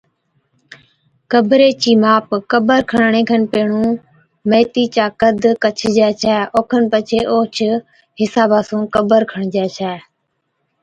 قبري چِي ماپ، قبر کڻڻي کن پيھڻُون ميٿِي چا قد ڪڇجَي ڇَي اوکن پڇي اوھچ حصابا سُون قبر کڻجَي ڇَي